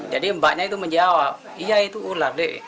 jadi mbaknya itu menjawab iya itu ular